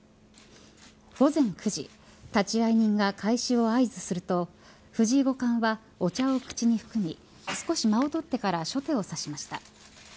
午前９時、立会人が開始を合図すると藤井五冠はお茶を口に含み少し間を取ってから初手を指しました。